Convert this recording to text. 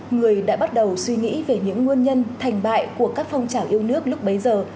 người đã bắt đầu suy nghĩ về những nguyên nhân thành bại của các phong trào yêu nước lúc bấy giờ